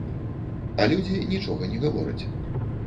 А людзі нічога не гавораць.